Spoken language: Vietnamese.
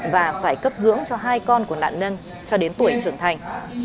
và phải cấp dưỡng cho hai con của nạn nhân cho đến tuổi trưởng thành